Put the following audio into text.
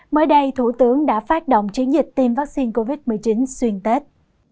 mới đây thủ tướng đã phát động chiến dịch tiêm vaccine covid một mươi chín xuyên tết